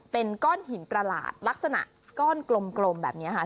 เป็นก้อนหินประหลาดลักษณะก้อนกลมแบบนี้ค่ะ